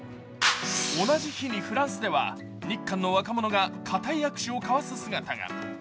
同じ日にフランスでは日韓の若者がかたい握手を交わす姿が。